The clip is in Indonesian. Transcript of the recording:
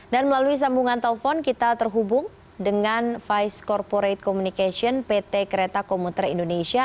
dan melalui sambungan telepon kita terhubung dengan vice corporate communication pt kereta komuter indonesia